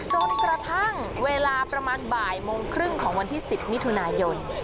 จนกระทั่งเวลาประมาณบ่ายโมงครึ่งของวันที่๑๐มิถุนายน